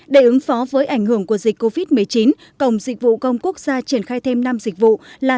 để ứng phó với ảnh hưởng của dịch covid một mươi chín cổng dịch vụ công quốc gia triển khai thêm năm dịch vụ là